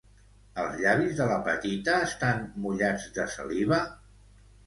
Els llavis de la petita estan mullats de saliva?